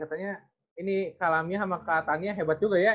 katanya ini kalamnya sama kak tania hebat juga ya